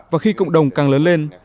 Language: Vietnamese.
và khi cộng đồng càng lớn lên